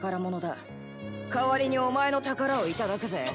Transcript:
代わりにお前の宝をいただくぜ